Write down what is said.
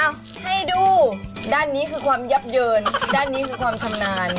เอาให้ดูด้านนี้คือความยับเยินด้านนี้คือความชำนาญ